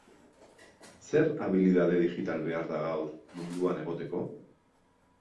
Zer abilidade digital behar da gaur munduan egoteko?